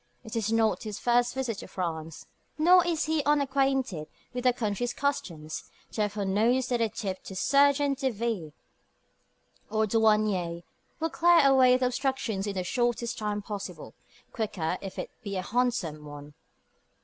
It is not his first visit to France, nor is he unacquainted with that country's customs; therefore knows that a "tip" to sergent de ville or douanier will clear away the obstructions in the shortest possible time quicker if it be a handsome one.